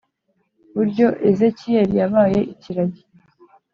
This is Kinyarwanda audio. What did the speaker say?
buryo Ezekiyeli yabaye ikiragi